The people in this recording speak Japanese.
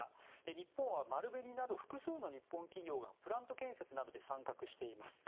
日本は丸紅など複数の日本企業がプラント建設などで参画しています。